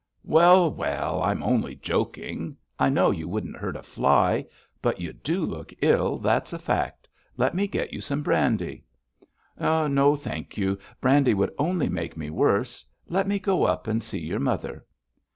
'Well! well! I'm only joking. I know you wouldn't hurt a fly. But you do look ill, that's a fact. Let me get you some brandy.' 'No, thank you, brandy would only make me worse. Let me go up and see your mother.'